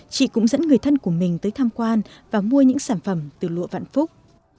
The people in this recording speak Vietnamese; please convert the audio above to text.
chị cũng dẫn người thân của mình tới tham quan và mua những sản phẩm từ lụa vạn phúc